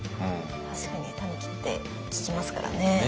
確かにたぬきって聞きますからね。